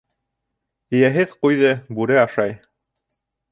Эйәһеҙ ҡуйҙы бүре ашай.